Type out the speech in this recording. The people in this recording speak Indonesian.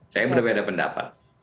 saya berbeda pendapat